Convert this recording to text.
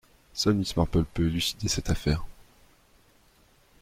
Seule Miss Marple peut élucider cette affaire...